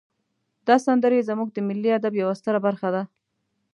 دا سندرې زمونږ د ملی ادب یوه ستره برخه ده.